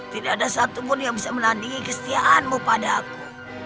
tidak ada satupun yang bisa menandingi kestiaanmu padaku